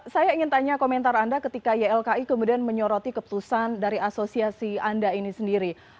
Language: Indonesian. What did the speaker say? saya ingin tanya komentar anda ketika ylki kemudian menyoroti keputusan dari asosiasi anda ini sendiri